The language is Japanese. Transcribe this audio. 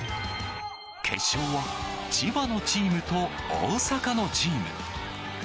決勝は千葉のチームと大阪のチーム。